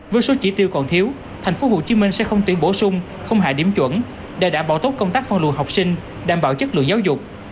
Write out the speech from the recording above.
với số chỉ tiêu còn thiếu tp hcm sẽ không tuyển bổ sung không hạ điểm chuẩn để đảm bảo tốt công tác phân luồng học sinh đảm bảo chất lượng giáo dục